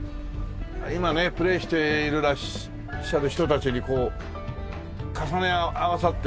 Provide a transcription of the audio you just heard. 今ねプレーしていらっしゃる人たちに重ね合わさって見えたね